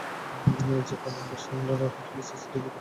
এই যে, কলোম্বোর সাংরিলা হোটেলের সিসিটিভি ফুটেজ।